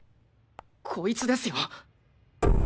こいつですよ！